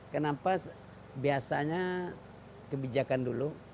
kenapa biasanya kebijakan dulu